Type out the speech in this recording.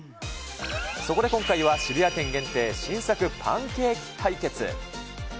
そこで今回は渋谷店限定、新作パンケーキ対決。